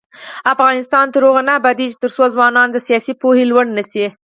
افغانستان تر هغو نه ابادیږي، ترڅو د ځوانانو سیاسي پوهاوی لوړ نشي.